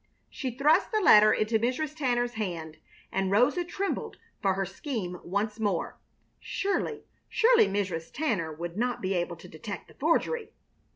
She thrust the letter into Mrs. Tanner's hand, and Rosa trembled for her scheme once more. Surely, surely Mrs. Tanner would not be able to detect the forgery!